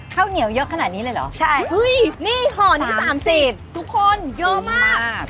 เข้าเหนียวยกขนาดนี้เลยเหรอฮื้ยนี่หอนี่๓๐ทุกคนเยอะมากจริงมาก